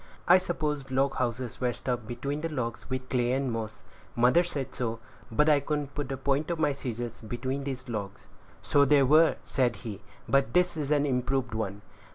"I supposed log houses were stuffed between the logs with clay and moss; mother said so; but I couldn't put the point of my scissors between these logs." "So they were," said he; "but this is an improved one.